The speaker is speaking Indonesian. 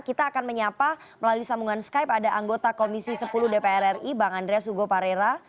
kita akan menyapa melalui sambungan skype ada anggota komisi sepuluh dpr ri bang andreas hugo parera